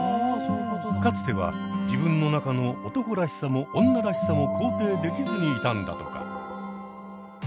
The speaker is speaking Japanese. かつては自分の中の男らしさも女らしさも肯定できずにいたんだとか。